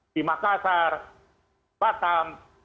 di makassar batam